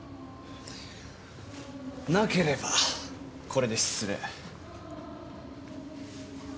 なければこれで失礼。